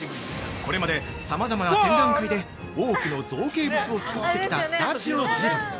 ◆これまで、さまざまな展覧会で多くの造形物を作ってきたスタジオジブリ。